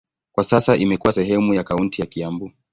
Kwa sasa imekuwa sehemu ya kaunti ya Kiambu.